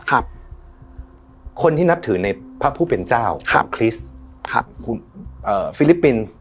คนที่นับถือในพระผู้เป็นเจ้าของคริสต์ครับคุณเอ่อฟิลิปปินส์